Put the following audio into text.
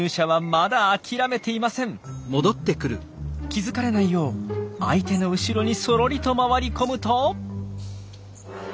気付かれないよう相手の後ろにそろりと回り込むと。